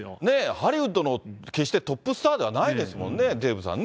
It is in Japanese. ハリウッドの、決してトップスターではないですもんね、デーブさんね。